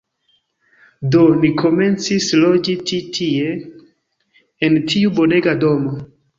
Do, ni komencis loĝi ĉi tie, en tiu bonega domo.